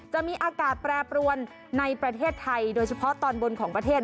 จะมีอากาศแปรปรวนในประเทศไทยโดยเฉพาะตอนบนของประเทศ